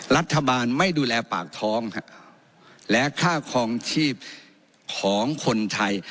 รัฐบาลไม่ดูแลปากท้องและค่าคลองชีพของคนไทย